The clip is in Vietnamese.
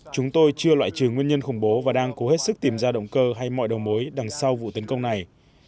chúng tôi chưa loại trừ nguyên nhân khủng bố và đang cố hết sức tìm ra động cơ hay mọi đầu mối đằng sau vụ tấn công này